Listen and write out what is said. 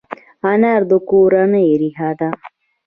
انا د کورنۍ ریښه ده